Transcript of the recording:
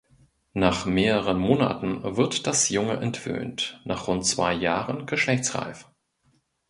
Nach mehreren Monaten wird das Junge entwöhnt, nach rund zwei Jahren geschlechtsreif.